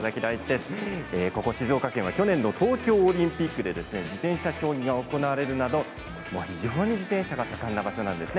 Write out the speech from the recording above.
静岡県は去年の東京オリンピックで自転車競技が行われるなど自転車が盛んな場所です。